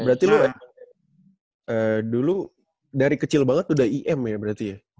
berarti lu dulu dari kecil banget udah im ya berarti ya